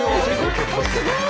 すごい！